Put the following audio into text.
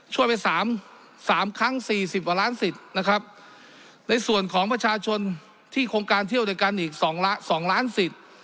ช่วยไป๓ครั้ง๔๐ล้านสิทธิ์ในส่วนของประชาชนที่โครงการเที่ยวด้วยกันอีก๒ล้านสิทธิ์